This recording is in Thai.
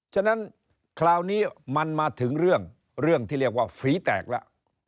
เช่นคราวนี้มันมาถึงเรื่องเรื่องที่เรียกว่าฝีแตกแล้ว